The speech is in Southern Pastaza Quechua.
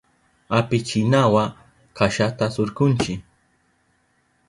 Apichinawa kashata surkunchi.